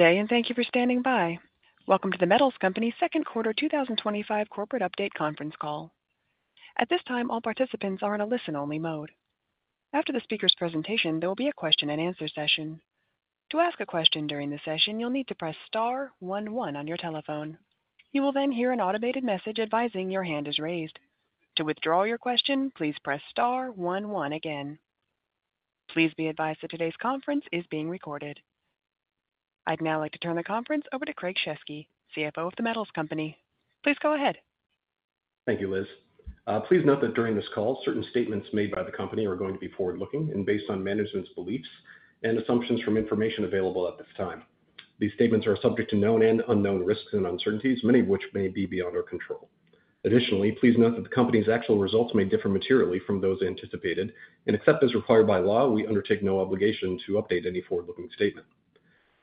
Today, and thank you for standing by. Welcome to The Metals Company's Second Quarter 2025 Corporate Update Conference Call. At this time, all participants are in a listen-only mode. After the speaker's presentation, there will be a question and answer session. To ask a question during the session, you'll need to press star one one on your telephone. You will then hear an automated message advising your hand is raised. To withdraw your question, please press star one one again. Please be advised that today's conference is being recorded. I'd now like to turn the conference over to Craig Shesky, CFO of The Metals Company. Please go ahead. Thank you, Liz. Please note that during this call, certain statements made by the company are going to be forward looking and based on management's beliefs and assumptions from information available at this time. These statements are subject to known and unknown risks and uncertainties, many of which may be beyond our control. Additionally, please note that the company's actual results may differ materially from those anticipated, and except as required by law, we undertake no obligation to update any forward looking statement.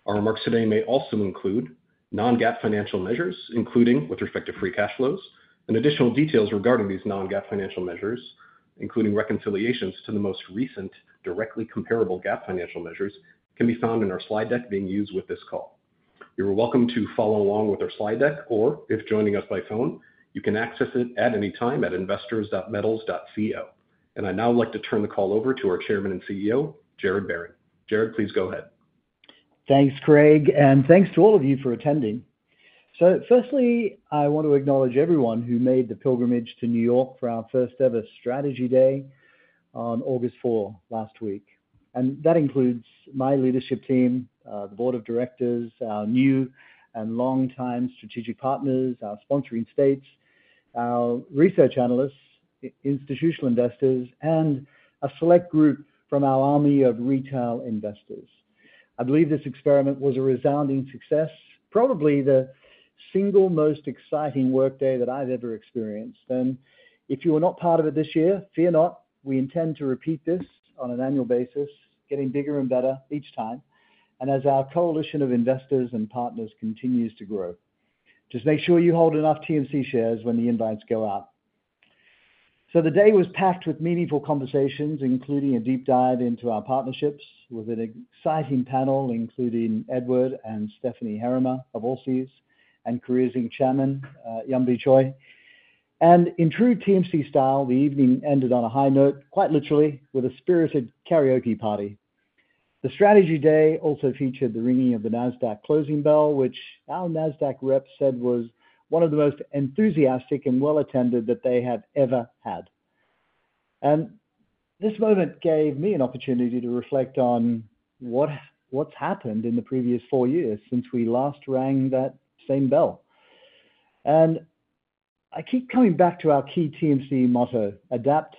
Our remarks today may also include non-GAAP financial measures, including with respect to free cash flows. Additional details regarding these non-GAAP financial measures, including reconciliations to the most recent directly comparable GAAP financial measures, can be found in our slide deck being used with this call. You're welcome to follow along with our slide deck, or if joining us by phone, you can access it at any time at investors.metals.co. I'd now like to turn the call over to our Chairman and CEO, Gerard Barron. Gerard, please go ahead. Thanks, Craig, and thanks to all of you for attending. Firstly, I want to acknowledge everyone who made the pilgrimage to New York for our first ever strategy day on August 4 last week. That includes my leadership team, the Board of Directors, our new and long-time strategic partners, our sponsoring states, our research analysts, institutional investors, and a select group from our army of retail investors. I believe this experiment was a resounding success, probably the single most exciting workday that I've ever experienced. If you were not part of it this year, fear not. We intend to repeat this on an annual basis, getting bigger and better each time. As our coalition of investors and partners continues to grow, just make sure you hold enough TMC shares when the invites go out. The day was packed with meaningful conversations, including a deep dive into our partnerships with an exciting panel, including Edward and Stephanie Heerema of Allseas and Careers Inc. Chairman Yumbi Choi. In true TMC style, the evening ended on a high note, quite literally, with a spirited karaoke party. The strategy day also featured the ringing of the NASDAQ closing bell, which our NASDAQ rep said was one of the most enthusiastic and well-attended that they had ever had. This moment gave me an opportunity to reflect on what's happened in the previous four years since we last rang that same bell. I keep coming back to our key TMC motto, adapt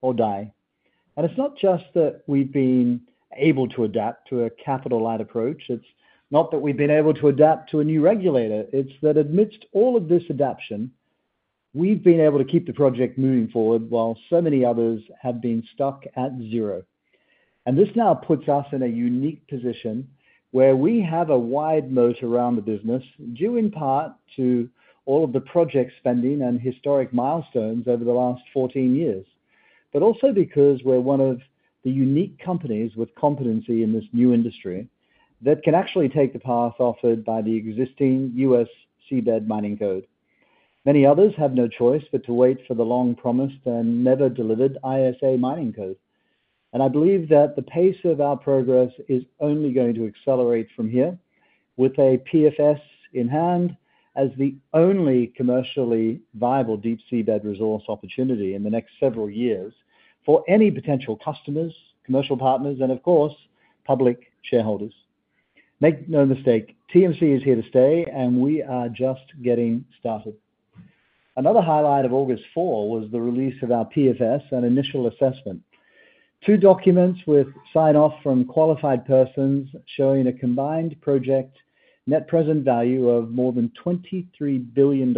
or die. It's not just that we've been able to adapt to a capital-led approach. It's not that we've been able to adapt to a new regulator. It's that amidst all of this adaption, we've been able to keep the project moving forward while so many others have been stuck at zero. This now puts us in a unique position where we have a wide moat around the business, due in part to all of the project spending and historic milestones over the last 14 years, but also because we're one of the unique companies with competency in this new industry that can actually take the path offered by the existing U.S. Seabed Mining Code. Many others have no choice but to wait for the long promised and never delivered ISA Mining Code. I believe that the pace of our progress is only going to accelerate from here, with a PFS in hand as the only commercially viable deep seabed resource opportunity in the next several years for any potential customers, commercial partners, and of course, public shareholders. Make no mistake, TMC is here to stay, and we are just getting started. Another highlight of August 4 was the release of our PFS and initial assessment, two documents with sign-off from qualified persons showing a combined project net present value of more than $23 billion,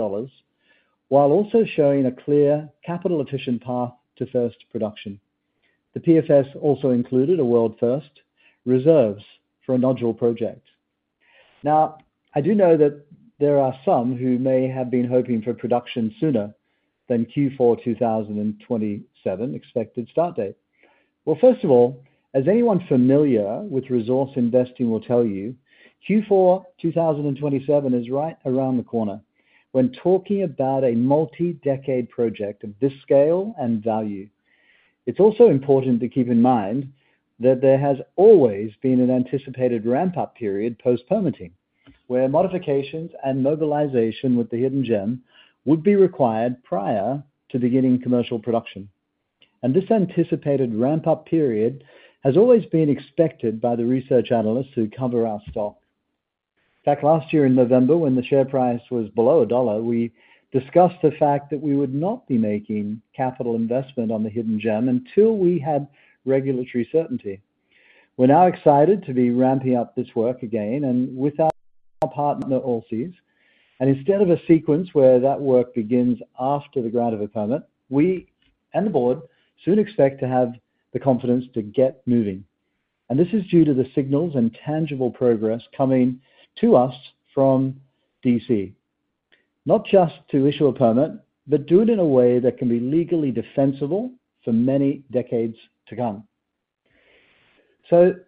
while also showing a clear capital efficient path to first production. The PFS also included a world-first reserves for a nodule project. I do know that there are some who may have been hoping for production sooner than Q4 2027 expected start date. As anyone familiar with resource investing will tell you, Q4 2027 is right around the corner when talking about a multi-decade project of this scale and value. It's also important to keep in mind that there has always been an anticipated ramp-up period post-permitting, where modifications and mobilization with the Hidden Gem would be required prior to beginning commercial production. This anticipated ramp-up period has always been expected by the research analysts who cover our stock. Back last year in November, when the share price was below $1, we discussed the fact that we would not be making capital investment on the Hidden Gem until we had regulatory certainty. We're now excited to be ramping up this work again with our partner Allseas. Instead of a sequence where that work begins after the grant of a permit, we and the board soon expect to have the confidence to get moving. This is due to the signals and tangible progress coming to us from D.C., not just to issue a permit, but do it in a way that can be legally defensible for many decades to come.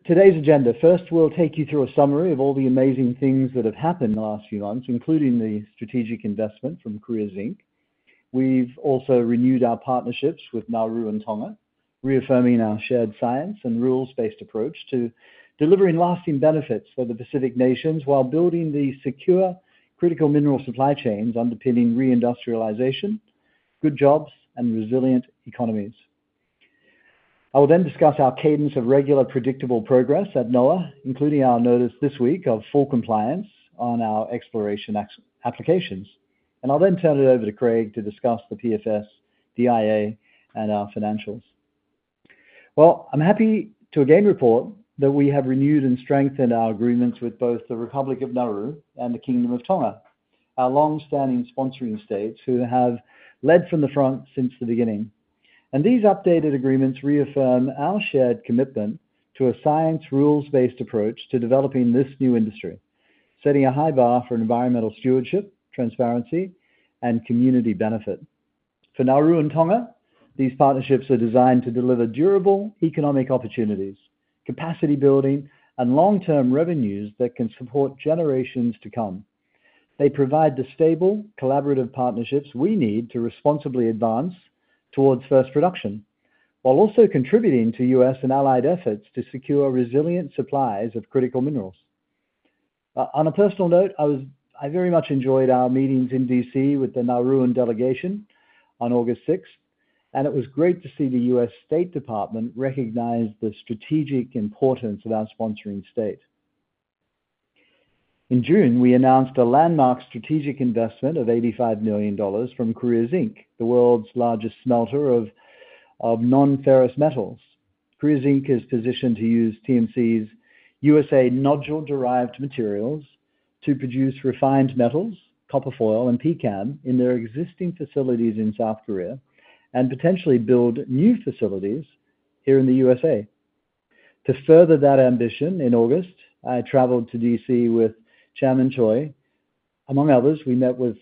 Today's agenda: first, we'll take you through a summary of all the amazing things that have happened in the last few months, including the strategic investment from Careers Inc. We've also renewed our partnerships with Nauru and Tonga, reaffirming our shared science and rules-based approach to delivering lasting benefits for the Pacific Nations while building the secure critical mineral supply chains underpinning reindustrialization, good jobs, and resilient economies. I will then discuss our cadence of regular predictable progress at NOAA, including our notice this week of full compliance on our exploration applications. I'll then turn it over to Craig to discuss the PFS, DIA, and our financials. I'm happy to again report that we have renewed and strengthened our agreements with both the Republic of Nauru and the Kingdom of Tonga, our longstanding sponsoring states who have led from the front since the beginning. These updated agreements reaffirm our shared commitment to a science rules-based approach to developing this new industry, setting a high bar for environmental stewardship, transparency, and community benefit. For Nauru and Tonga, these partnerships are designed to deliver durable economic opportunities, capacity building, and long-term revenues that can support generations to come. They provide the stable, collaborative partnerships we need to responsibly advance towards first production, while also contributing to U.S. and allied efforts to secure resilient supplies of critical minerals. On a personal note, I very much enjoyed our meetings in DC with the Nauru and delegation on August 6th, and it was great to see the U.S. State Department recognize the strategic importance of our sponsoring state. In June, we announced a landmark strategic investment of $85 million from Careers Inc., the world's largest non-ferrous metals smelter. Careers Inc. is positioned to use TMC's U.S.A. nodule-derived materials to produce refined metals, copper foil, and PCAM in their existing facilities in South Korea and potentially build new facilities here in the U.S.A. To further that ambition, in August, I traveled to DC with Chairman Choi. Among others, we met with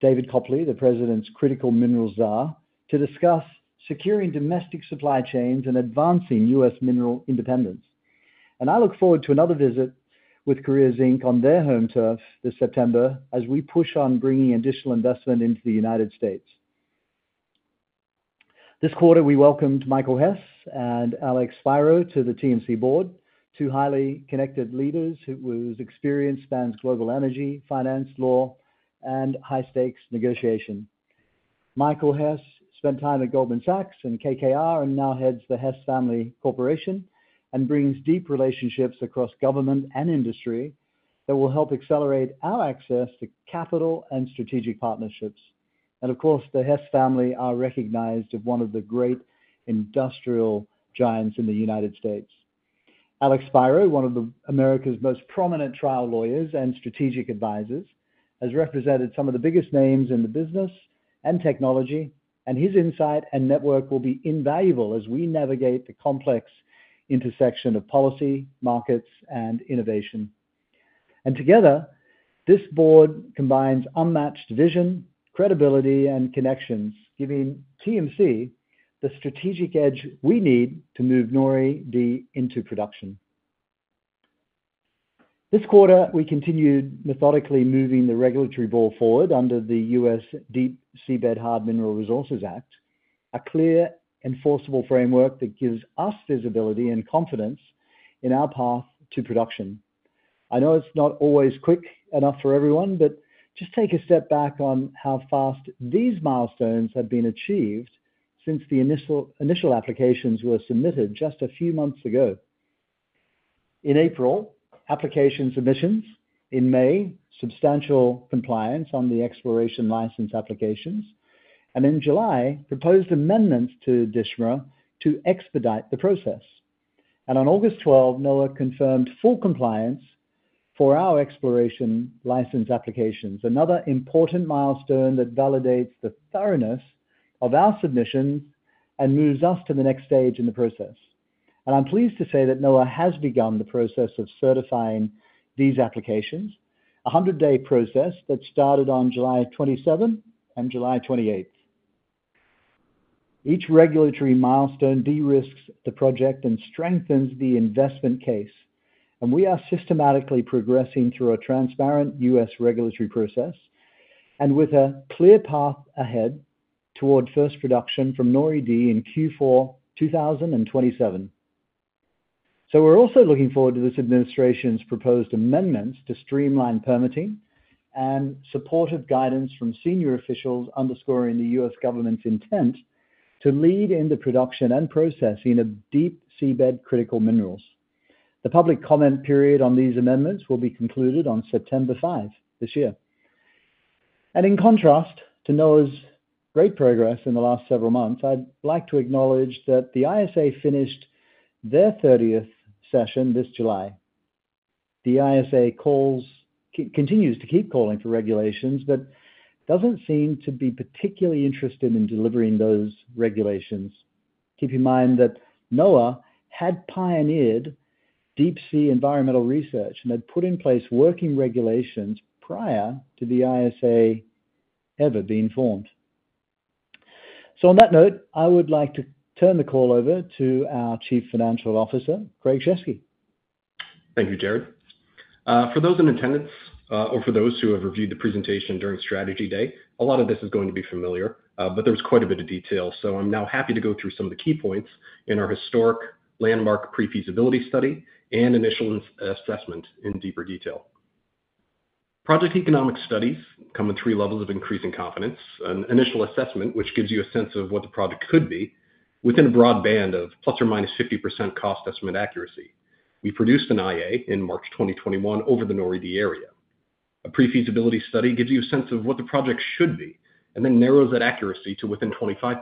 David Copley, the President's critical minerals czar, to discuss securing domestic supply chains and advancing U.S. mineral independence. I look forward to another visit with Careers Inc. on their home turf this September as we push on bringing additional investment into the United States. This quarter, we welcomed Michael Hess and Alex Spiro to the TMC board, two highly connected leaders whose experience spans global energy, finance, law, and high-stakes negotiation. Michael Hess spent time at Goldman Sachs and KKR and now heads the Hess Family Corporation and brings deep relationships across government and industry that will help accelerate our access to capital and strategic partnerships. The Hess family are recognized as one of the great industrial giants in the United States. Alex Spiro, one of America's most prominent trial lawyers and strategic advisors, has represented some of the biggest names in business and technology, and his insight and network will be invaluable as we navigate the complex intersection of policy, markets, and innovation. Together, this board combines unmatched vision, credibility, and connections, giving TMC the strategic edge we need to move NORI-D into production. This quarter, we continued methodically moving the regulatory ball forward under the U.S. Deep Seabed Hard Mineral Resources Act, a clear, enforceable framework that gives us visibility and confidence in our path to production. I know it's not always quick enough for everyone, but just take a step back on how fast these milestones have been achieved since the initial applications were submitted just a few months ago. In April, application submissions; in May, substantial compliance on the exploration license applications; and in July, proposed amendments to DISHRA to expedite the process. On August 12, NOAA confirmed full compliance for our exploration license applications, another important milestone that validates the thoroughness of our submission and moves us to the next stage in the process. I'm pleased to say that NOAA has begun the process of certifying these applications, a 100-day process that started on July 27 and July 28. Each regulatory milestone de-risks the project and strengthens the investment case. We are systematically progressing through a transparent U.S. regulatory process with a clear path ahead toward first production from NORI-D in Q4 2027. We are also looking forward to this administration's proposed amendments to streamline permitting and supportive guidance from senior officials underscoring the U.S. government's intent to lead in the production and processing of deep seabed critical minerals. The public comment period on these amendments will be concluded on September 5 this year. In contrast to NOAA's great progress in the last several months, I'd like to acknowledge that the ISA finished their 30th session this July. The ISA continues to keep calling for regulations but doesn't seem to be particularly interested in delivering those regulations. Keep in mind that NOAA had pioneered deep sea environmental research and had put in place working regulations prior to the ISA ever being formed. On that note, I would like to turn the call over to our Chief Financial Officer, Craig Shesky. Thank you, Gerard. For those in attendance or for those who have reviewed the presentation during strategy day, a lot of this is going to be familiar, but there was quite a bit of detail. I'm now happy to go through some of the key points in our historic landmark pre-feasibility study and initial assessment in deeper detail. Project economic studies come with three levels of increasing confidence: an initial assessment, which gives you a sense of what the project could be within a broad band of plus or minus 50% cost estimate accuracy. We produced an IA in March 2021 over the NORI-D area. A pre-feasibility study gives you a sense of what the project should be and narrows that accuracy to within 25%.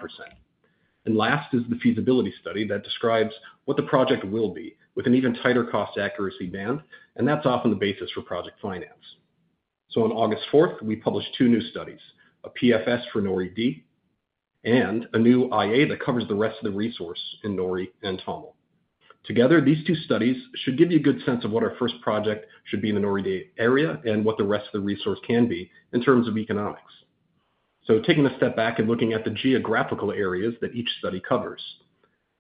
Last is the feasibility study that describes what the project will be with an even tighter cost accuracy band, and that's often the basis for project finance. On August 4th, we published two new studies: a PFS for NORI-D and a new IA that covers the rest of the resource in NORI and Tonga. Together, these two studies should give you a good sense of what our first project should be in the NORI-D area and what the rest of the resource can be in terms of economics. Taking a step back and looking at the geographical areas that each study covers,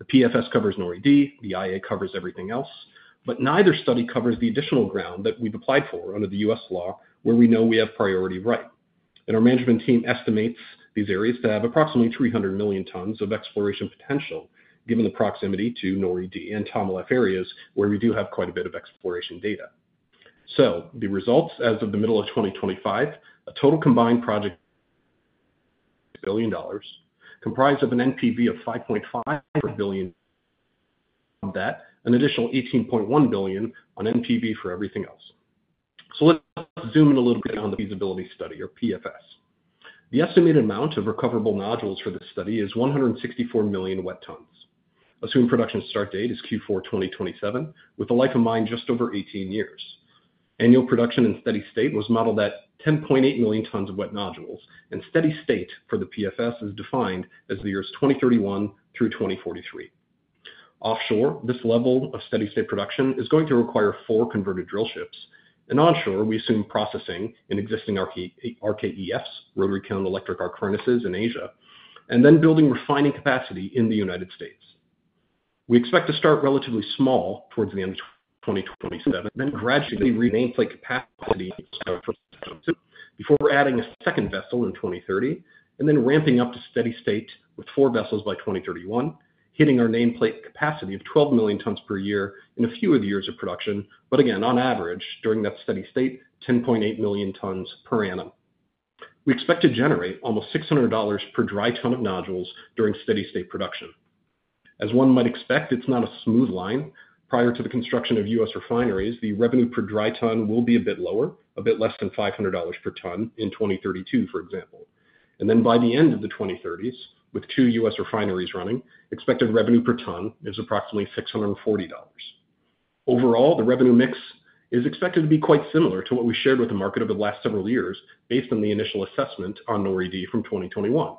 the PFS covers NORI-D, the IA covers everything else, but neither study covers the additional ground that we've applied for under the U.S. law where we know we have priority of right. Our management team estimates these areas to have approximately 300 million tons of exploration potential, given the proximity to NORI-D and Tonga areas where we do have quite a bit of exploration data. The results as of the middle of 2025, a total combined project billion dollars comprised of an NPV of $5.5 billion on that, an additional $18.1 billion on NPV for everything else. Let's zoom in a little bit on the feasibility study or PFS. The estimated amount of recoverable nodules for this study is 164 million wet tons. Assuming production start date is Q4 2027, with a life of mine just over 18 years, annual production in steady state was modeled at 10.8 million tons of wet nodules, and steady state for the PFS is defined as the years 2031 through 2043. Offshore, this level of steady state production is going to require four converted drill ships, and onshore, we assume processing in existing RKEFs, Rotary-Counter Electric Arc Furnaces in Asia, and then building refining capacity in the United States. We expect to start relatively small towards the end of 2027, then gradually regain capacity before adding a second vessel in 2030, and then ramping up to steady state with four vessels by 2031, hitting our nameplate capacity of 12 million tons per year in a few of the years of production. Again, on average, during that steady state, 10.8 million tons per annum. We expect to generate almost $600 per dry ton of nodules during steady state production. As one might expect, it's not a smooth line. Prior to the construction of U.S. refineries, the revenue per dry ton will be a bit lower, a bit less than $500 per ton in 2032, for example. By the end of the 2030s, with two U.S. refineries running, expected revenue per ton is approximately $640. Overall, the revenue mix is expected to be quite similar to what we shared with the market over the last several years based on the initial assessment on NORI-D from 2021.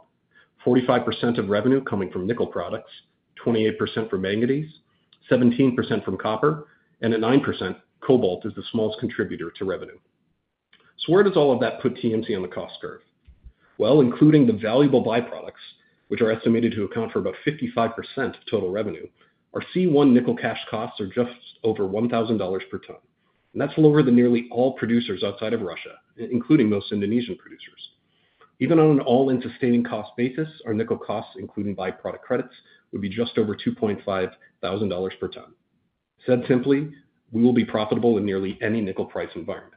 45% of revenue coming from nickel products, 28% from manganese, 17% from copper, and 9% cobalt is the smallest contributor to revenue. Where does all of that put TMC on the cost curve? Including the valuable byproducts, which are estimated to account for about 55% of total revenue, our C1 nickel cash costs are just over $1,000 per ton. That's lower than nearly all producers outside of Russia, including most Indonesian producers. Even on an all-in sustaining cost basis, our nickel costs, including byproduct credits, would be just over $2,500 per ton. Said simply, we will be profitable in nearly any nickel price environment.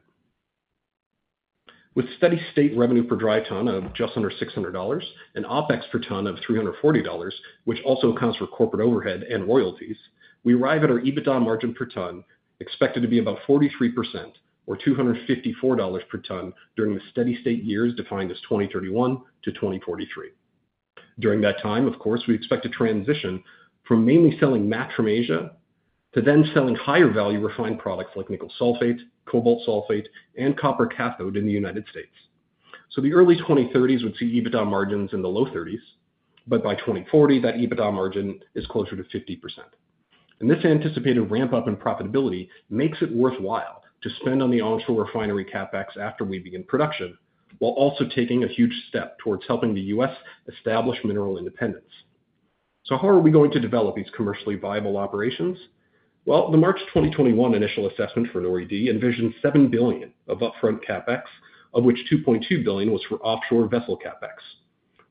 With steady state revenue per dry ton of just under $600 and OPEX per ton of $340, which also accounts for corporate overhead and royalties, we arrive at our EBITDA margin per ton expected to be about 43% or $254 per ton during the steady state years defined as 2031 to 2043. During that time, we expect to transition from mainly selling matte from Asia to then selling higher value refined products like nickel sulfate, cobalt sulfate, and copper cathode in the United States. The early 2030s would see EBITDA margins in the low 30%, but by 2040, that EBITDA margin is closer to 50%. This anticipated ramp-up in profitability makes it worthwhile to spend on the onshore refinery CAPEX after we begin production, while also taking a huge step towards helping the U.S. establish mineral independence. How are we going to develop these commercially viable operations? The March 2021 initial assessment for NORI-D envisioned $7 billion of upfront CAPEX, of which $2.2 billion was for offshore vessel CAPEX.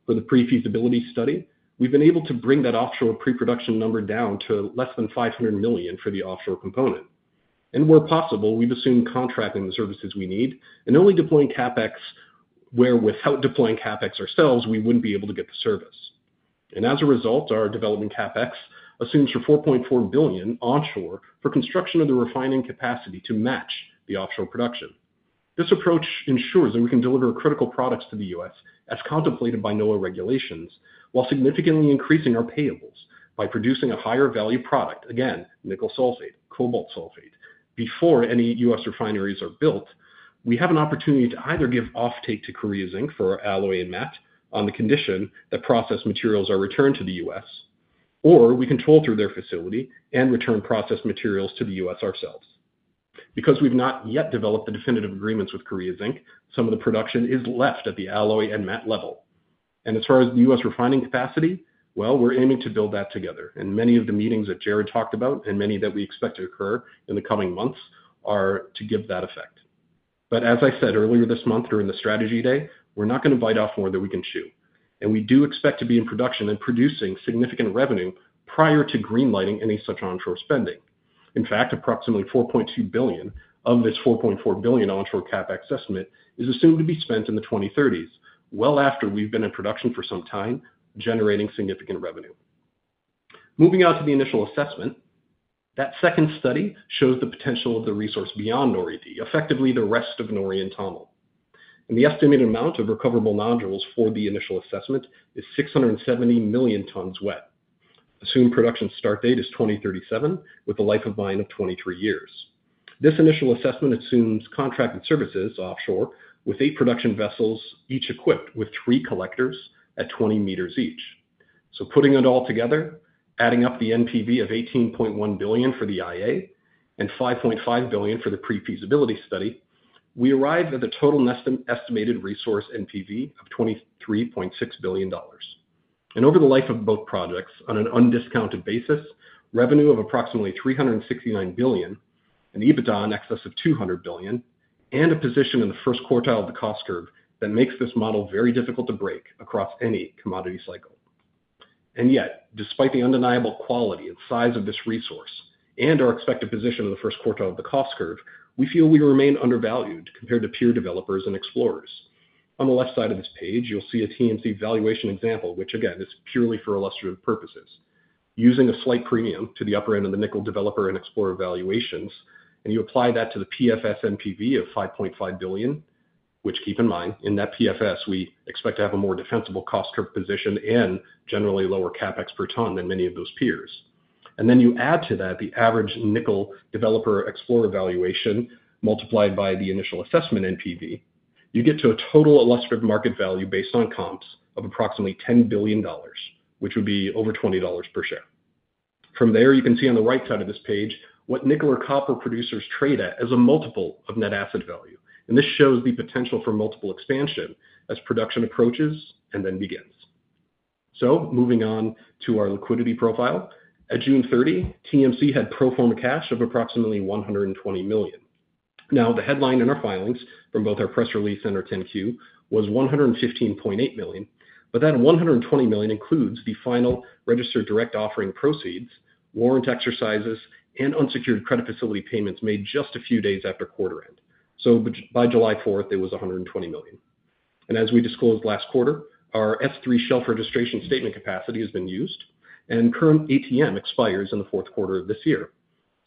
For the pre-feasibility study, we've been able to bring that offshore pre-production number down to less than $500 million for the offshore component. Where possible, we've assumed contracting the services we need and only deploying CAPEX where, without deploying CAPEX ourselves, we wouldn't be able to get the service. As a result, our development CAPEX assumes $4.4 billion onshore for construction of the refining capacity to match the offshore production. This approach ensures that we can deliver critical products to the U.S. as contemplated by NOAA regulations, while significantly increasing our payables by producing a higher value product, again, nickel sulfate, cobalt sulfate. Before any U.S. refineries are built, we have an opportunity to either give offtake to Careers Inc. for our alloy and mat on the condition that processed materials are returned to the U.S., or we can toll through their facility and return processed materials to the U.S. ourselves. Because we've not yet developed the definitive agreements with Careers Inc., some of the production is left at the alloy and mat level. As far as the U.S. refining capacity, we're aiming to build that together. Many of the meetings that Gerard Barron talked about and many that we expect to occur in the coming months are to give that effect. As I said earlier this month during the strategy day, we're not going to bite off more than we can chew. We do expect to be in production and producing significant revenue prior to greenlighting any such onshore spending. In fact, approximately $4.2 billion of this $4.4 billion onshore CAPEX estimate is assumed to be spent in the 2030s, well after we've been in production for some time, generating significant revenue. Moving on to the initial assessment, that second study shows the potential of the resource beyond NORI-D, effectively the rest of NORI and Tonga. The estimated amount of recoverable nodules for the initial assessment is 670 million tons wet. Assumed production start date is 2037, with a life of mine of 23 years. This initial assessment assumes contracted services offshore with eight production vessels, each equipped with three collectors at 20 meters each. Putting it all together, adding up the NPV of $18.1 billion for the initial assessment and $5.5 billion for the pre-feasibility study, we arrive at a total estimated resource NPV of $23.6 billion. Over the life of both projects, on an undiscounted basis, revenue of approximately $369 billion, an EBITDA in excess of $200 billion, and a position in the first quartile of the global nickel cost curve that makes this model very difficult to break across any commodity cycle. Yet, despite the undeniable quality and size of this resource and our expected position in the first quartile of the global nickel cost curve, we feel we remain undervalued compared to peer developers and explorers. On the left side of this page, you'll see a TMC valuation example, which again, is purely for illustrative purposes. Using a slight premium to the upper end of the nickel developer and explorer valuations, and you apply that to the pre-feasibility study NPV of $5.5 billion, which, keep in mind, in that pre-feasibility study, we expect to have a more defensible cost curve position and generally lower CAPEX per ton than many of those peers. Then you add to that the average nickel developer explorer valuation multiplied by the initial assessment NPV, you get to a total illustrative market value based on comps of approximately $10 billion, which would be over $20 per share. From there, you can see on the right side of this page what nickel or copper producers trade at as a multiple of net asset value. This shows the potential for multiple expansion as production approaches and then begins. Moving on to our liquidity profile, at June 30, TMC had pro forma cash of approximately $120 million. The headline in our filings from both our press release and our 10-Q was $115.8 million, but that $120 million includes the final registered direct offering proceeds, warrant exercises, and unsecured credit facility payments made just a few days after quarter end. By July 4, it was $120 million. As we disclosed last quarter, our S-3 shelf registration statement capacity has been used, and current ATM expires in the fourth quarter of this year.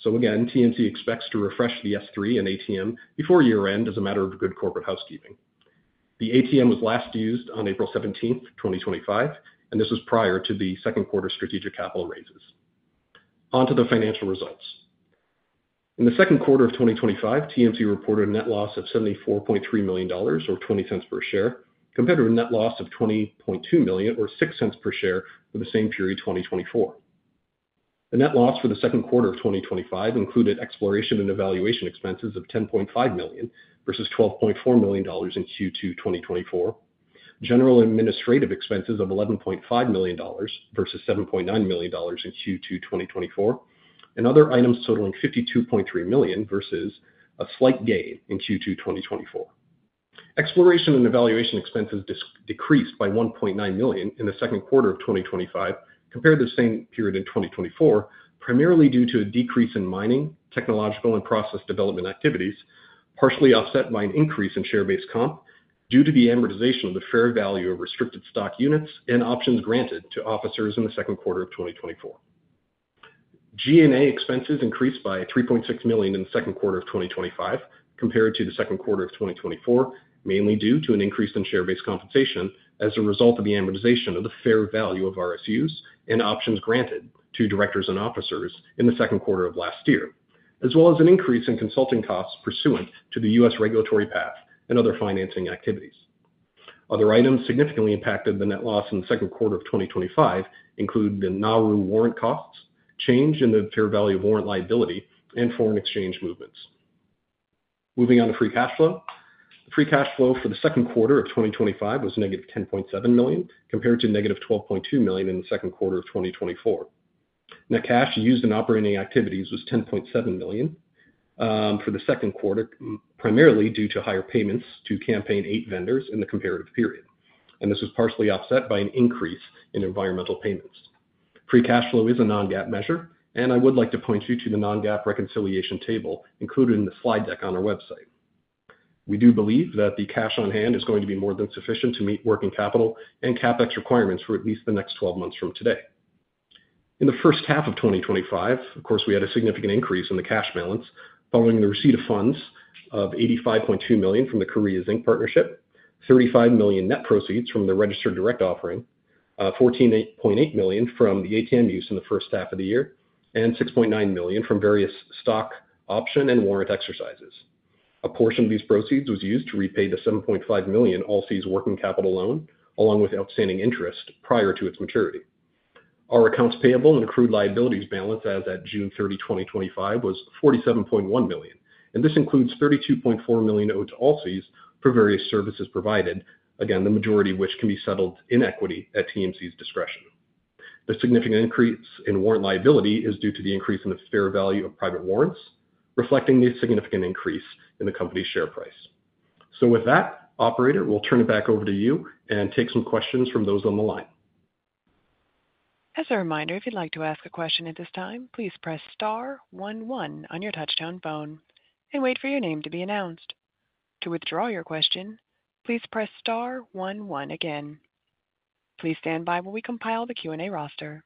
TMC expects to refresh the S-3 and ATM before year end as a matter of good corporate housekeeping. The ATM was last used on April 17, 2025, and this was prior to the second quarter strategic capital raises. Onto the financial results. In the second quarter of 2025, TMC reported a net loss of $74.3 million or $0.20 per share, compared to a net loss of $20.2 million or $0.06 per share for the same period, 2024. The net loss for the second quarter of 2025 included exploration and evaluation expenses of $10.5 million versus $12.4 million in Q2 2024, general administrative expenses of $11.5 million versus $7.9 million in Q2 2024, and other items totaling $52.3 million versus a slight gain in Q2 2024. Exploration and evaluation expenses decreased by $1.9 million in the second quarter of 2025 compared to the same period in 2024, primarily due to a decrease in mining, technological, and process development activities, partially offset by an increase in share-based compensation due to the amortization of the fair value of restricted stock units and options granted to officers in the second quarter of 2024. G&A expenses increased by $3.6 million in the second quarter of 2025 compared to the second quarter of 2024, mainly due to an increase in share-based compensation as a result of the amortization of the fair value of RSUs and options granted to directors and officers in the second quarter of last year, as well as an increase in consulting costs pursuant to the U.S. regulatory path and other financing activities. Other items significantly impacted the net loss in the second quarter of 2025, including the Nauru warrant costs, change in the fair value of warrant liability, and foreign exchange movements. Moving on to free cash flow, the free cash flow for the second quarter of 2025 was negative $10.7 million compared to negative $12.2 million in the second quarter of 2024. Net cash used in operating activities was $10.7 million for the second quarter, primarily due to higher payments to campaign eight vendors in the comparative period. This was partially offset by an increase in environmental payments. Free cash flow is a non-GAAP measure, and I would like to point you to the non-GAAP reconciliation table included in the slide deck on our website. We do believe that the cash on hand is going to be more than sufficient to meet working capital and CAPEX requirements for at least the next 12 months from today. In the first half of 2025, of course, we had a significant increase in the cash balance following the receipt of funds of $85.2 million from Careers Inc. Partnership, $35 million net proceeds from the registered direct offering, $14.8 million from the ATM use in the first half of the year, and $6.9 million from various stock option and warrant exercises. A portion of these proceeds was used to repay the $7.5 million Allseas' working capital loan, along with outstanding interest prior to its maturity. Our accounts payable and accrued liabilities balance as at June 30, 2025, was $47.1 million, and this includes $32.4 million owed to Allseas' for various services provided, again, the majority of which can be settled in equity at TMC's discretion. The significant increase in warrant liability is due to the increase in the fair value of private warrants, reflecting a significant increase in the company's share price. With that, operator, we'll turn it back over to you and take some questions from those on the line. As a reminder, if you'd like to ask a question at this time, please press star one one on your touch-tone phone and wait for your name to be announced. To withdraw your question, please press star one one again. Please stand by while we compile the Q&A roster.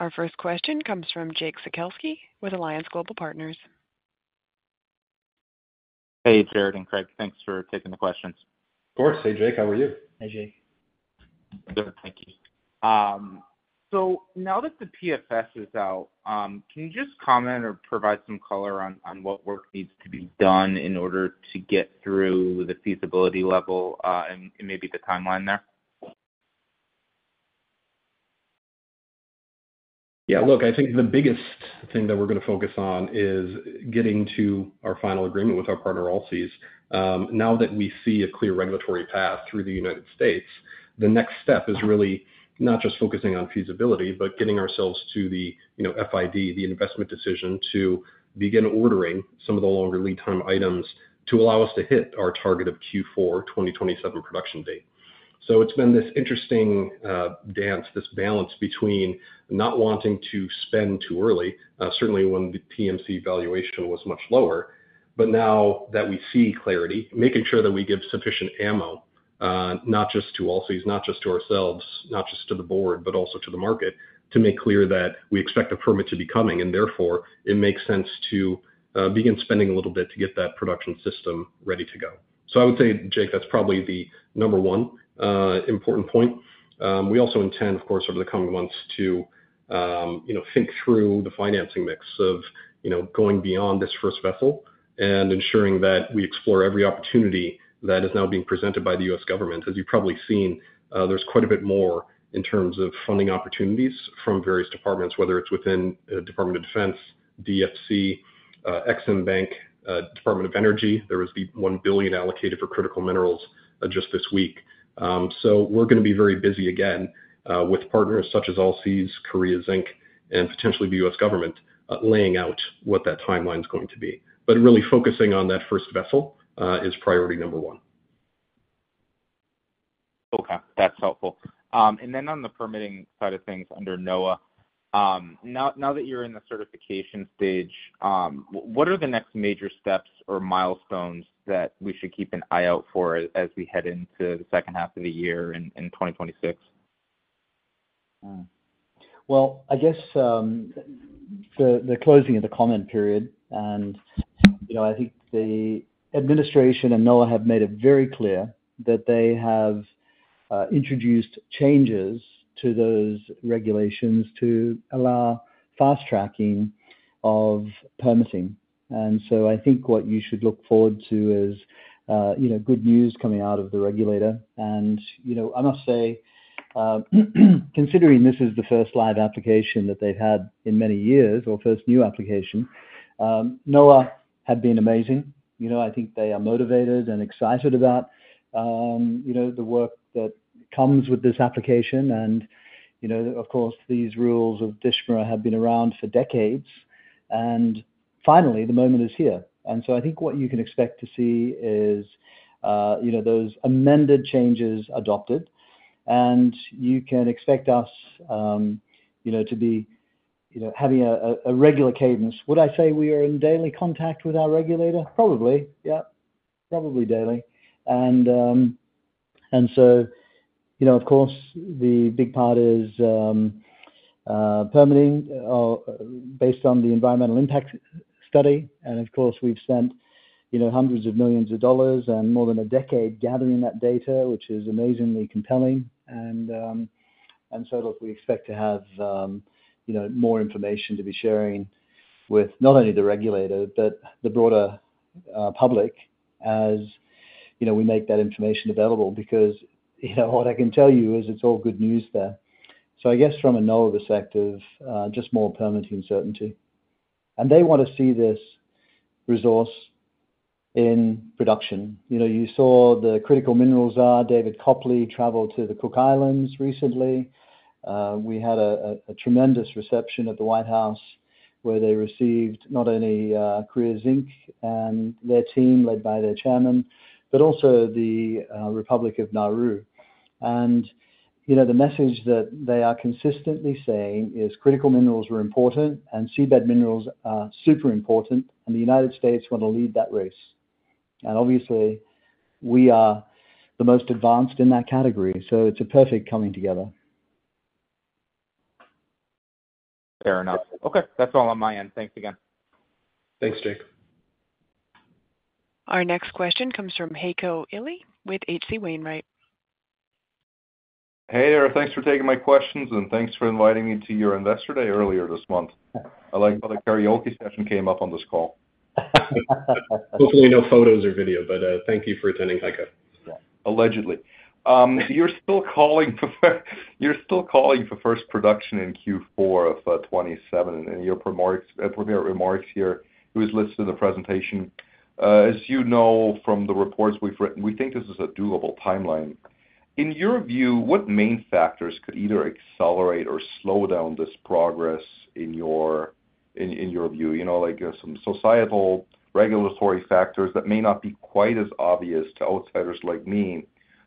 Our first question comes from Jake Sekelsky with Alliance Global Partners. Hey, Gerard and Craig, thanks for taking the questions. Of course. Hey, Jake, how are you? Hey, Jake. Good, thank you. Now that the PFS is out, can you just comment or provide some color on what work needs to be done in order to get through the feasibility level and maybe the timeline there? Yeah, look, I think the biggest thing that we're going to focus on is getting to our final agreement with our partner Allseas. Now that we see a clear regulatory path through the U.S., the next step is really not just focusing on feasibility, but getting ourselves to the FID, the investment decision to begin ordering some of the longer lead time items to allow us to hit our target of Q4 2027 production date. It's been this interesting dance, this balance between not wanting to spend too early, certainly when the TMC valuation was much lower, but now that we see clarity, making sure that we give sufficient ammo, not just to Allseas, not just to ourselves, not just to the board, but also to the market to make clear that we expect a permit to be coming, and therefore it makes sense to begin spending a little bit to get that production system ready to go. I would say, Jake, that's probably the number one important point. We also intend, of course, over the coming months to think through the financing mix of going beyond this first vessel and ensuring that we explore every opportunity that is now being presented by the U.S. government. As you've probably seen, there's quite a bit more in terms of funding opportunities from various departments, whether it's within the Department of Defense, DFC, Exim Bank, Department of Energy. There was the $1 billion allocated for critical minerals just this week. We're going to be very busy again with partners such as Allseas, Careers Inc., and potentially the U.S. government laying out what that timeline is going to be. Really focusing on that first vessel is priority number one. Okay, that's helpful. On the permitting side of things under NOAA, now that you're in the certification stage, what are the next major steps or milestones that we should keep an eye out for as we head into the second half of the year in 2026? I guess the closing of the comment period, and I think the administration and NOAA have made it very clear that they have introduced changes to those regulations to allow fast tracking of permitting. I think what you should look forward to is good news coming out of the regulator. I must say, considering this is the first live application that they've had in many years, or first new application, NOAA have been amazing. I think they are motivated and excited about the work that comes with this application. Of course, these rules of the DSHMA have been around for decades. Finally, the moment is here. I think what you can expect to see is those amended changes adopted, and you can expect us to be having a regular cadence. Would I say we are in daily contact with our regulator? Probably, yeah, probably daily. Of course, the big part is permitting based on the environmental impact study. We've spent hundreds of millions of dollars and more than a decade gathering that data, which is amazingly compelling. We expect to have more information to be sharing with not only the regulator, but the broader public as we make that information available because what I can tell you is it's all good news there. I guess from a NOAA perspective, just more permitting certainty. They want to see this resource in production. You saw the critical minerals are, David Copley traveled to the Cook Islands recently. We had a tremendous reception at the White House where they received not only Careers Inc. and their team led by their chairman, but also the Republic of Nauru. The message that they are consistently saying is critical minerals are important and seabed minerals are super important, and the United States want to lead that race. Obviously, we are the most advanced in that category, so it's a perfect coming together. Fair enough. Okay, that's all on my end. Thanks again. Thanks, Jake. Our next question comes from Heiko Ihle with H.C. Wainwright. Hey there, thanks for taking my questions and thanks for inviting me to your investor day earlier this month. I like how the karaoke session came up on this call. Hopefully, no photos or video, but thank you for attending, Heiko. You're still calling for first production in Q4 of 2027, and in your premier remarks here, it was listed in the presentation. As you know from the reports we've written, we think this is a doable timeline. In your view, what main factors could either accelerate or slow down this progress in your view? Like some societal regulatory factors that may not be quite as obvious to outsiders like me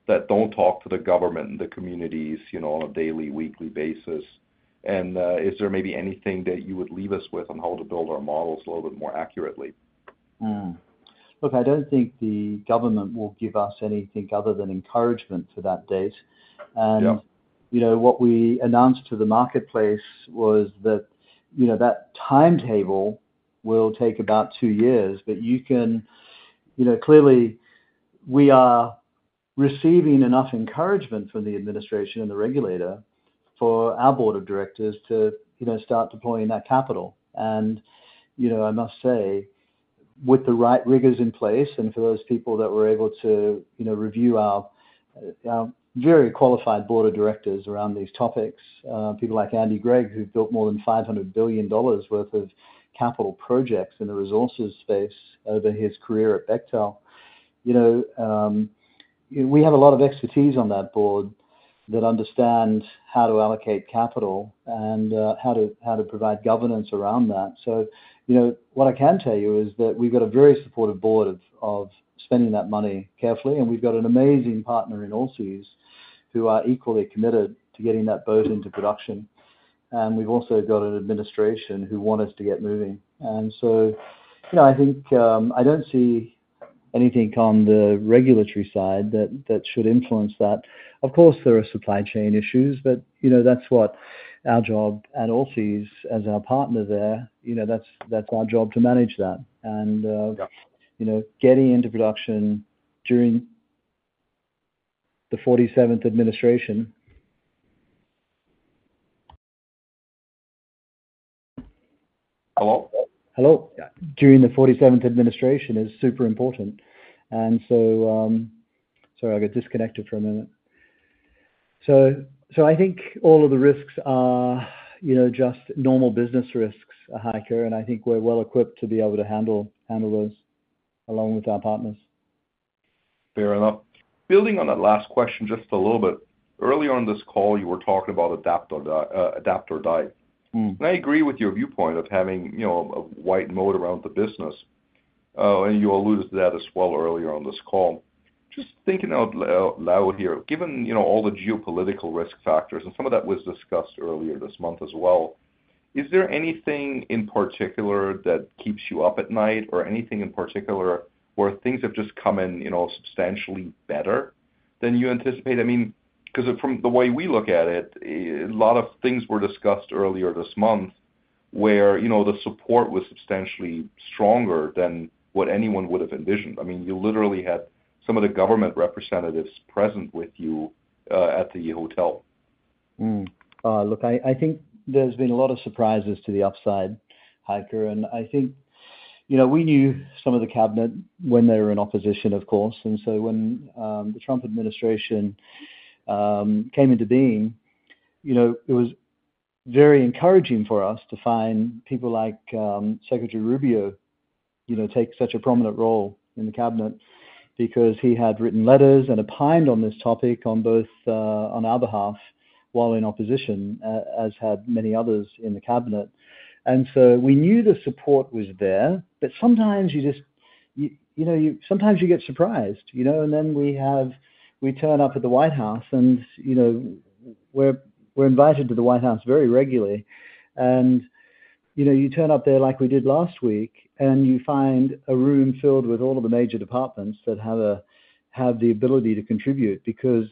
that don't talk to the government and the communities on a daily, weekly basis. Is there maybe anything that you would leave us with on how to build our models a little bit more accurately? Look, I don't think the government will give us anything other than encouragement to that date. What we announced to the marketplace was that timetable will take about two years, but you can clearly see we are receiving enough encouragement from the administration and the regulator for our Board of Directors to start deploying that capital. I must say, with the right rigors in place and for those people that were able to review our very qualified Board of Directors around these topics, people like Andy Gregg, who built more than $500 billion worth of capital projects in the resources space over his career at Bechtel, we have a lot of expertise on that board that understands how to allocate capital and how to provide governance around that. What I can tell you is that we've got a very supportive board of spending that money carefully, and we've got an amazing partner in Allseas who are equally committed to getting that boat into production. We've also got an administration who want us to get moving. I don't see anything on the regulatory side that should influence that. Of course, there are supply chain issues, but that's what our job at Allseas as our partner there, that's our job to manage that. Getting into production during the 47th administration. Hello? During the 47th administration is super important. Sorry, I got disconnected for a minute. I think all of the risks are just normal business risks, Heiko, and I think we're well equipped to be able to handle those along with our partners. Fair enough. Building on that last question just a little bit, earlier on this call, you were talking about adapter diet. I agree with your viewpoint of having, you know, a white moat around the business. You alluded to that as well earlier on this call. Just thinking out loud here, given, you know, all the geopolitical risk factors, and some of that was discussed earlier this month as well, is there anything in particular that keeps you up at night or anything in particular where things have just come in, you know, substantially better than you anticipated? I mean, because from the way we look at it, a lot of things were discussed earlier this month where, you know, the support was substantially stronger than what anyone would have envisioned. I mean, you literally had some of the government representatives present with you at the hotel. Look, I think there's been a lot of surprises to the upside, Heiko, and I think we knew some of the cabinet when they were in opposition, of course. When the Trump administration came into being, it was very encouraging for us to find people like Secretary Rubio take such a prominent role in the cabinet because he had written letters and opined on this topic on both on our behalf while in opposition, as had many others in the cabinet. We knew the support was there, but sometimes you get surprised, and then we turn up at the White House and we're invited to the White House very regularly. You turn up there like we did last week and you find a room filled with all of the major departments that have the ability to contribute because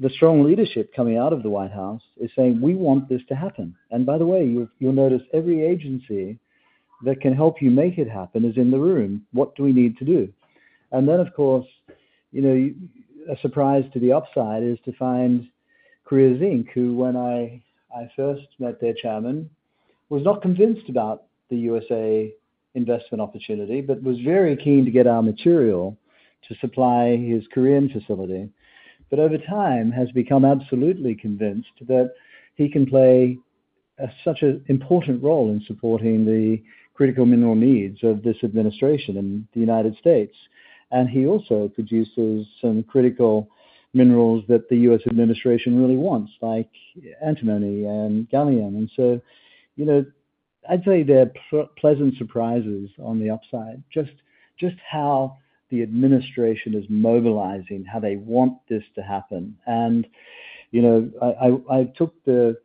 the strong leadership coming out of the White House is saying, "We want this to happen." By the way, you'll notice every agency that can help you make it happen is in the room. What do we need to do? A surprise to the upside is to find Careers Inc., who, when I first met their chairman, was not convinced about the U.S. investment opportunity, but was very keen to get our material to supply his Korean facility, but over time has become absolutely convinced that he can play such an important role in supporting the critical mineral needs of this administration and the United States. He also produces some critical minerals that the U.S. administration really wants, like antimony and gallium. I'd say they're pleasant surprises on the upside, just how the administration is mobilizing, how they want this to happen. I took the,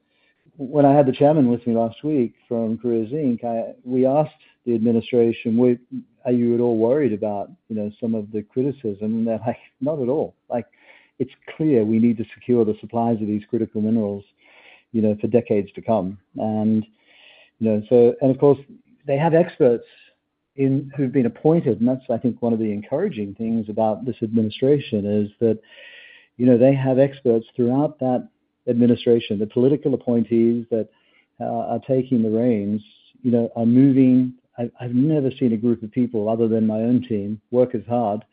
when I had the chairman with me last week from Careers Inc., we asked the administration, "Are you at all worried about some of the criticism?" They're like, "Not at all." It's clear we need to secure the supplies of these critical minerals for decades to come. They have experts who've been appointed. That's, I think, one of the encouraging things about this administration is that they have experts throughout that administration. The political appointees that are taking the reins are moving. I've never seen a group of people other than my own team work as hard.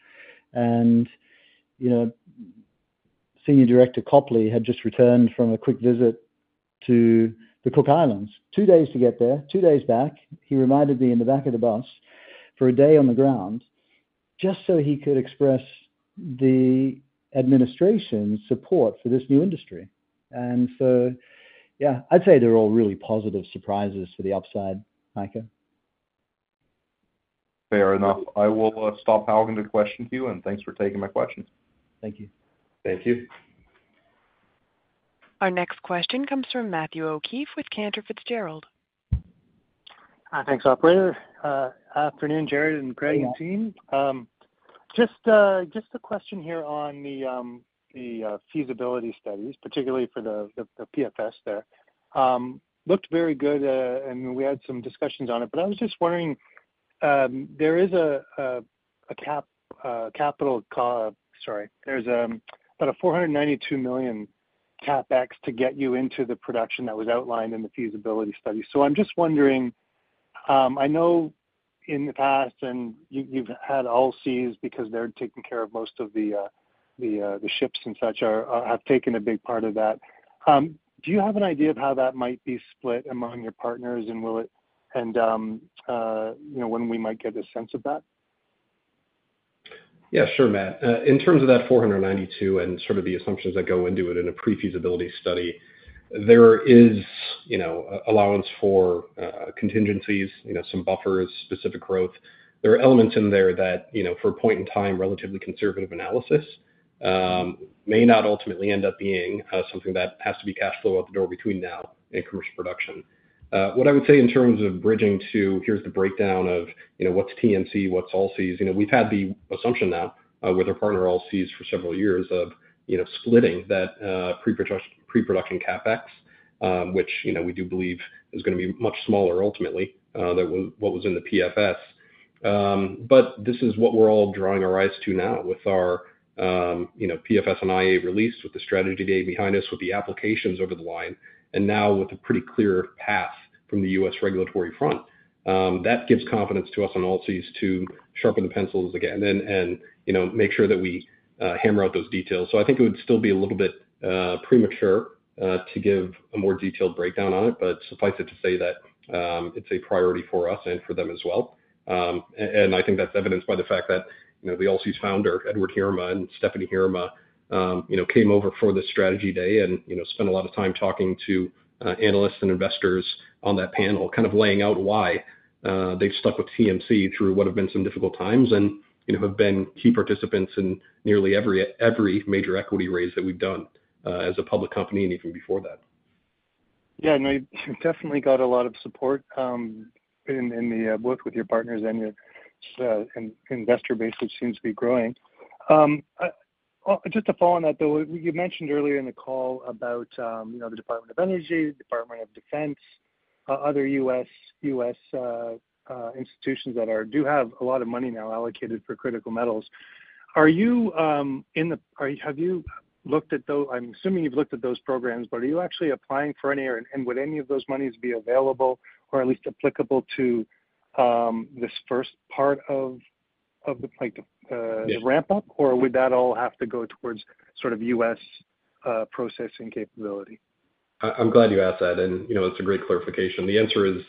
Senior Director Copley had just returned from a quick visit to the Cook Islands. Two days to get there, two days back, he reminded me in the back of the bus for a day on the ground just so he could express the administration's support for this new industry. I'd say they're all really positive surprises for the upside, Heiko. Fair enough. I will stop posing the question to you, and thanks for taking my questions. Thank you. Thank you. Our next question comes from Matthew O'Keefe with Cantor Fitzgerald. Hi, thanks, operator. Afternoon, Gerard and Craig and team. Just a question here on the feasibility studies, particularly for the PFS there. Looked very good, and we had some discussions on it, but I was just wondering, there is a capital cost, sorry, there's about a $492 million CAPEX to get you into the production that was outlined in the feasibility study. I'm just wondering, I know in the past, and you've had Allseas because they're taking care of most of the ships and such have taken a big part of that. Do you have an idea of how that might be split among your partners and will it, and you know, when we might get a sense of that? Yeah, sure, Matt. In terms of that $492 million and sort of the assumptions that go into it in a pre-feasibility study, there is allowance for contingencies, some buffers, specific growth. There are elements in there that, for a point in time, relatively conservative analysis may not ultimately end up being something that has to be cash flow out the door between now and commercial production. What I would say in terms of bridging to, here's the breakdown of what's TMC, what's Allseas, we've had the assumption that with our partner Allseas for several years of splitting that pre-production CAPEX, which we do believe is going to be much smaller ultimately than what was in the PFS. This is what we're all drawing our eyes to now with our PFS and IA release, with the strategy day behind us, with the applications over the line, and now with a pretty clear path from the U.S. regulatory front. That gives confidence to us on Allseas to sharpen the pencils again and make sure that we hammer out those details. I think it would still be a little bit premature to give a more detailed breakdown on it, but suffice it to say that it's a priority for us and for them as well. I think that's evidenced by the fact that the Allseas founder, Edward Heerema and Stephanie Heerema, came over for the strategy day and spent a lot of time talking to analysts and investors on that panel, kind of laying out why they've stuck with TMC through what have been some difficult times and have been key participants in nearly every major equity raise that we've done as a public company and even before that. Yeah, I definitely got a lot of support in the work with your partners and your investor base, which seems to be growing. Just to follow on that, though, you mentioned earlier in the call about, you know, the Department of Energy, the Department of Defense, other U.S. institutions that do have a lot of money now allocated for critical metals. Are you in the, have you looked at those, I'm assuming you've looked at those programs, but are you actually applying for any, and would any of those monies be available or at least applicable to this first part of the ramp-up, or would that all have to go towards sort of U.S. processing capability? I'm glad you asked that, and you know, it's a great clarification. The answer is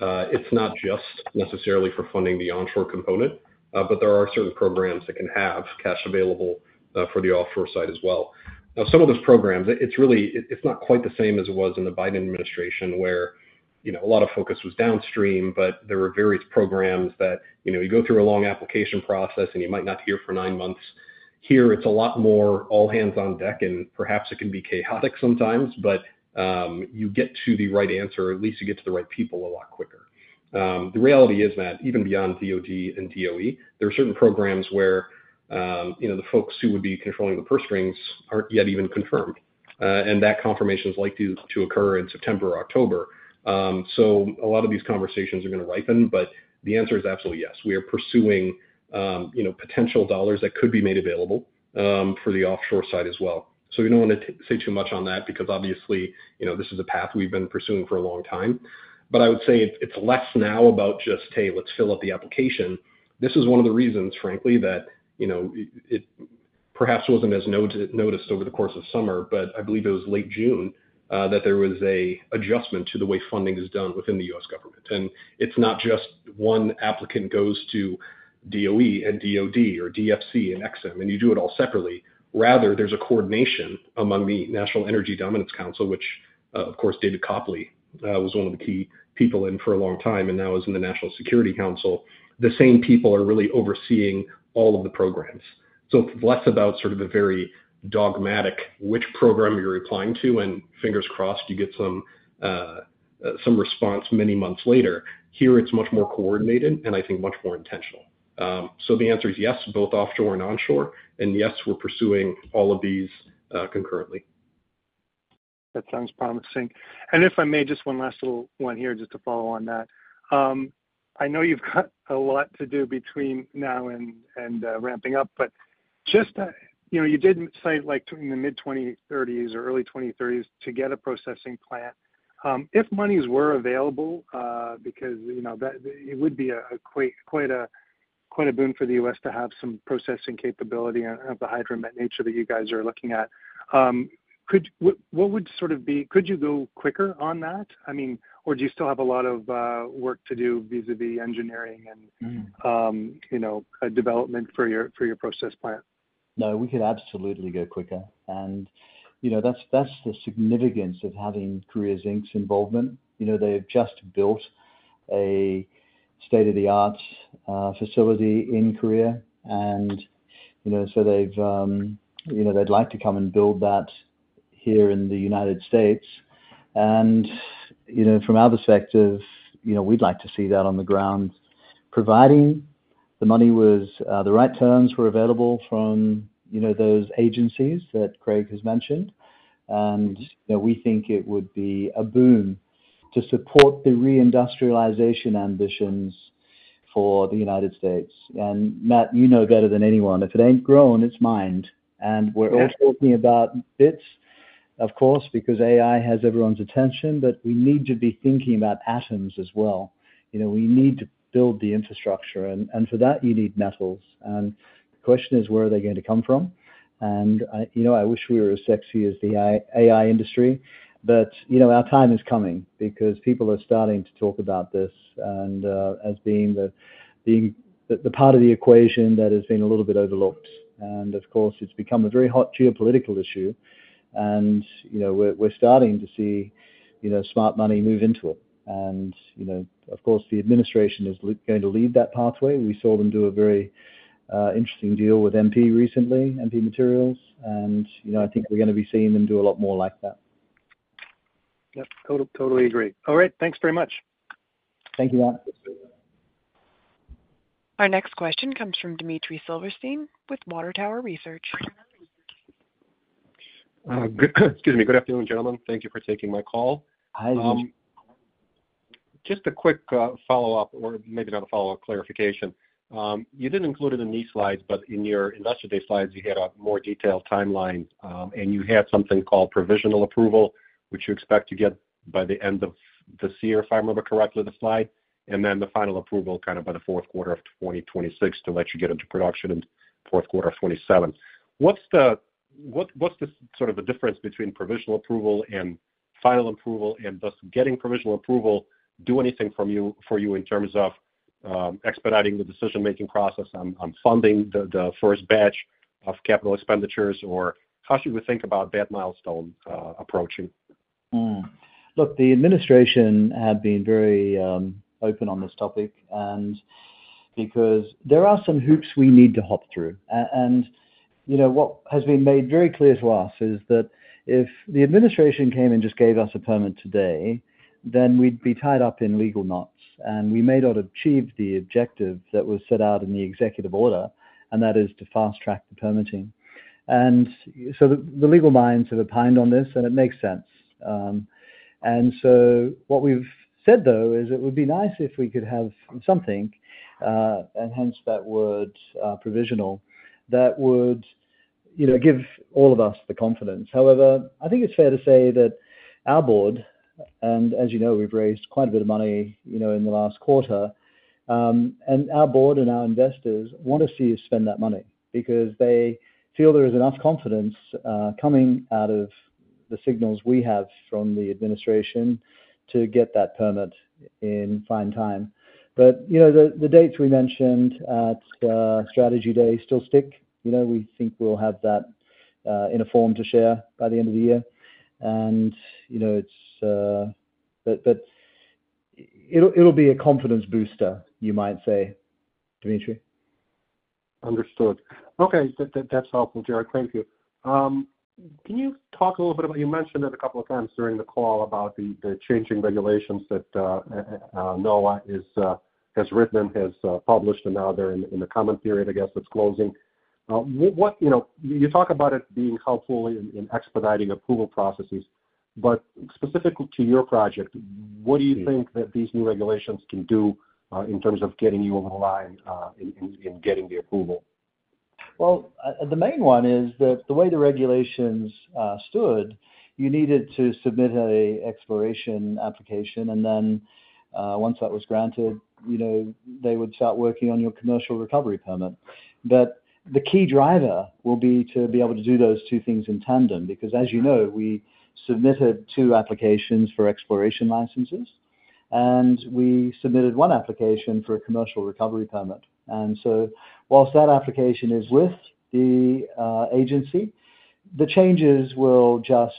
it's not just necessarily for funding the onshore component, but there are certain programs that can have cash available for the offshore side as well. Now, some of those programs, it's really, it's not quite the same as it was in the Biden administration where, you know, a lot of focus was downstream, but there were various programs that, you know, you go through a long application process and you might not hear for nine months. Here, it's a lot more all hands on deck, and perhaps it can be chaotic sometimes, but you get to the right answer, or at least you get to the right people a lot quicker. The reality is that even beyond DOD and DOE, there are certain programs where, you know, the folks who would be controlling the purse strings aren't yet even confirmed, and that confirmation is likely to occur in September or October. A lot of these conversations are going to ripen, but the answer is absolutely yes. We are pursuing, you know, potential dollars that could be made available for the offshore side as well. We don't want to say too much on that because obviously, you know, this is a path we've been pursuing for a long time. I would say it's less now about just, hey, let's fill up the application. This is one of the reasons, frankly, that, you know, it perhaps wasn't as noticed over the course of summer, but I believe it was late June that there was an adjustment to the way funding is done within the U.S. government. It's not just one applicant goes to DOE and DOD or DFC and Exim, and you do it all separately. Rather, there's a coordination among the National Energy Dominance Council, which, of course, David Copley was one of the key people in for a long time, and now is in the National Security Council. The same people are really overseeing all of the programs. It's less about sort of a very dogmatic which program you're applying to, and fingers crossed, you get some response many months later. Here, it's much more coordinated and I think much more intentional. The answer is yes, both offshore and onshore, and yes, we're pursuing all of these concurrently. That sounds promising. If I may, just one last little one here just to follow on that. I know you've got a lot to do between now and ramping up, but just, you know, you didn't say like in the mid-2030s or early 2030s to get a processing plant. If monies were available, because, you know, it would be quite a boon for the U.S. to have some processing capability of the hydro-met nature that you guys are looking at. What would sort of be, could you go quicker on that? I mean, or do you still have a lot of work to do vis-a-vis engineering and, you know, development for your process plant? No, we could absolutely go quicker. That's the significance of having Careers Inc.'s involvement. They've just built a state-of-the-art facility in Korea, and they'd like to come and build that here in the United States. From our perspective, we'd like to see that on the ground, provided the money was on the right terms from those agencies that Craig has mentioned. We think it would be a boon to support the reindustrialization ambitions for the United States. Matt, you know better than anyone, if it ain't grown, it's mined. We're all talking about bits, of course, because AI has everyone's attention, but we need to be thinking about atoms as well. We need to build the infrastructure, and for that, you need metals. The question is, where are they going to come from? I wish we were as sexy as the AI industry, but our time is coming because people are starting to talk about this as being the part of the equation that has been a little bit overlooked. Of course, it's become a very hot geopolitical issue. We're starting to see smart money move into it. Of course, the administration is going to lead that pathway. We saw them do a very interesting deal with MP recently, MP Materials, and I think we're going to be seeing them do a lot more like that. Yep, totally agree. All right, thanks very much. Thank you, Matt. Our next question comes from Dmitry Silversteyn with Water Tower Research. Excuse me, good afternoon, gentlemen. Thank you for taking my call. Hi. Just a quick follow-up, or maybe not a follow-up, clarification. You didn't include it in these slides, but in your investor day slides, you had a more detailed timeline, and you had something called provisional approval, which you expect to get by the end of this year, if I remember correctly, the slide, and then the final approval kind of by the fourth quarter of 2026 to let you get into production in the fourth quarter of 2027. What's the sort of the difference between provisional approval and final approval, and does getting provisional approval do anything for you in terms of expediting the decision-making process on funding the first batch of CAPEX, or how should we think about that milestone approaching? Look, the administration had been very open on this topic because there are some hoops we need to hop through. What has been made very clear to us is that if the administration came and just gave us a permit today, then we'd be tied up in legal knots, and we may not achieve the objective that was set out in the executive order, and that is to fast track the permitting. The legal minds have opined on this, and it makes sense. What we've said, though, is it would be nice if we could have something, and hence that word provisional, that would give all of us the confidence. However, I think it's fair to say that our Board, and as you know, we've raised quite a bit of money in the last quarter, and our Board and our investors want to see us spend that money because they feel there is enough confidence coming out of the signals we have from the administration to get that permit in fine time. The dates we mentioned at the strategy day still stick. We think we'll have that in a form to share by the end of the year. It'll be a confidence booster, you might say, Dmitry. Understood. Okay, that's helpful, Gerard. Thank you. Can you talk a little bit about, you mentioned it a couple of times during the call about the changing regulations that the NOAA has written, has published, and now they're in the comment period, I guess, that's closing. You talk about it being helpful in expediting approval processes, but specific to your project, what do you think that these new regulations can do in terms of getting you on the line and getting the approval? The main one is that the way the regulations stood, you needed to submit an exploration application, and then once that was granted, they would start working on your commercial recovery permit. The key driver will be to be able to do those two things in tandem because, as you know, we submitted two applications for exploration licenses, and we submitted one application for a commercial recovery permit. Whilst that application is with the agency, the changes will just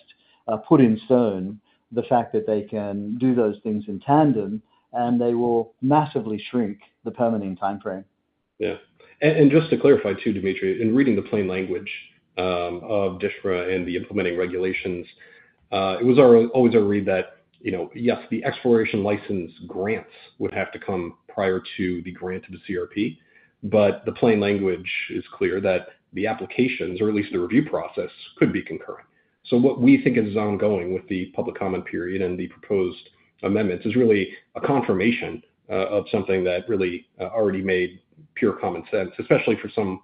put in stone the fact that they can do those things in tandem, and they will massively shrink the permitting timeframe. Yeah. Just to clarify too, Dmitry, in reading the plain language of the DSHMA and the implementing regulations, it was always a read that, you know, yes, the exploration license grants would have to come prior to the grant of the commercial recovery permits, but the plain language is clear that the applications, or at least the review process, could be concurrent. What we think is ongoing with the public comment period and the proposed regulatory amendments is really a confirmation of something that already made pure common sense, especially for some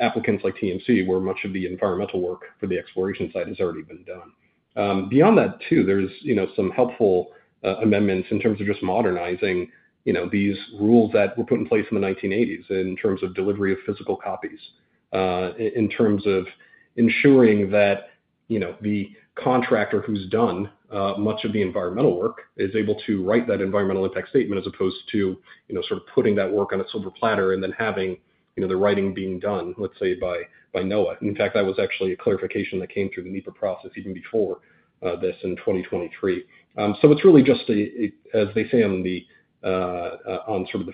applicants like TMC, where much of the environmental work for the exploration side has already been done. Beyond that too, there are some helpful amendments in terms of just modernizing these rules that were put in place in the 1980s, in terms of delivery of physical copies, in terms of ensuring that the contractor who's done much of the environmental work is able to write that environmental impact statement as opposed to, you know, sort of putting that work on a silver platter and then having the writing being done, let's say, by NOAA. In fact, that was actually a clarification that came through the NEPA process even before this in 2023. It's really just, as they say on the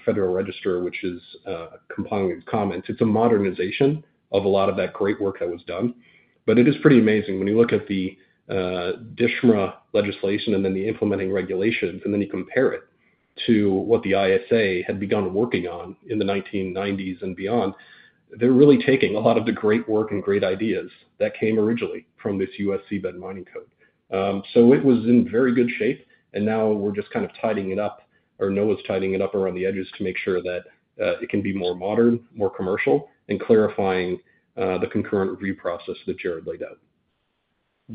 federal register, which is a component of comments, a modernization of a lot of that great work that was done. It is pretty amazing when you look at the DSHMA legislation and then the implementing regulations, and then you compare it to what the ISA had begun working on in the 1990s and beyond. They're really taking a lot of the great work and great ideas that came originally from this U.S. Seabed Mining Code. It was in very good shape, and now we're just kind of tidying it up, or the NOAA is tidying it up around the edges to make sure that it can be more modern, more commercial, and clarifying the concurrent review process that Gerard Barron laid out.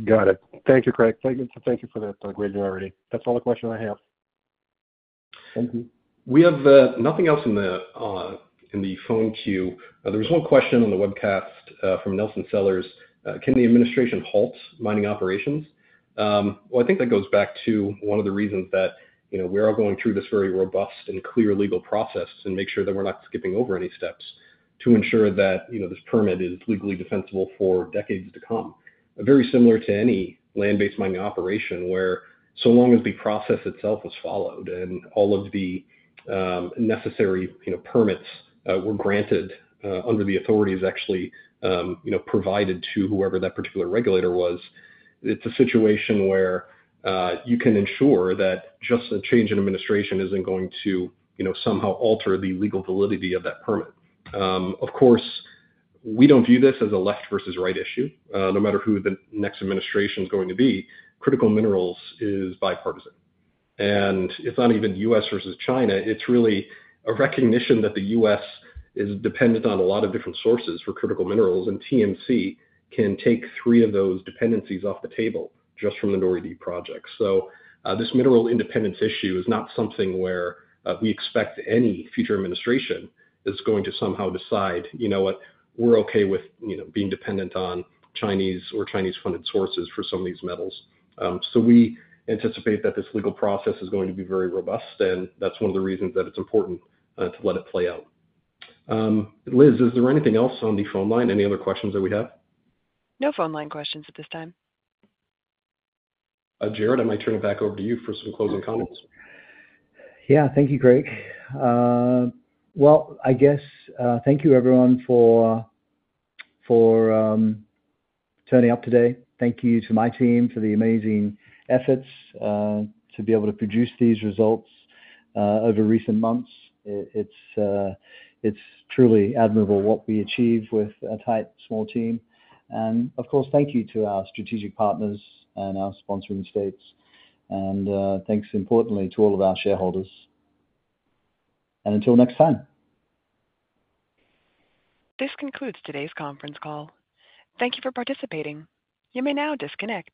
Got it. Thank you, Craig. Thank you for that great analogy. That's all the questions I have. Thank you. We have nothing else in the phone queue. There was one question on the webcast from Nelson Sellers. Can the administration halt mining operations? I think that goes back to one of the reasons that we're all going through this very robust and clear legal process to make sure that we're not skipping over any steps to ensure that this permit is legally defensible for decades to come. It is very similar to any land-based mining operation where, so long as the process itself was followed and all of the necessary permits were granted under the authority actually provided to whoever that particular regulator was, it's a situation where you can ensure that just a change in administration isn't going to somehow alter the legal validity of that permit. Of course, we don't view this as a left versus right issue. No matter who the next administration is going to be, critical minerals is bipartisan. It's not even U.S. versus China. It's really a recognition that the U.S. is dependent on a lot of different sources for critical minerals, and TMC can take three of those dependencies off the table just from the NORI-D projects. This mineral independence issue is not something where we expect any future administration is going to somehow decide, you know what, we're okay with being dependent on Chinese or Chinese-funded sources for some of these metals. We anticipate that this legal process is going to be very robust, and that's one of the reasons that it's important to let it play out. Liz, is there anything else on the phone line? Any other questions that we have? No phone line questions at this time. Gerard, I might turn it back over to you for some closing comments. Thank you, Craig. I guess thank you everyone for turning up today. Thank you to my team for the amazing efforts to be able to produce these results over recent months. It's truly admirable what we achieve with a tight small team. Of course, thank you to our strategic partners and our sponsoring states. Thanks importantly to all of our shareholders. Until next time. This concludes today's conference call. Thank you for participating. You may now disconnect.